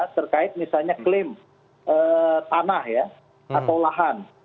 terkait misalnya klaim tanah ya atau lahan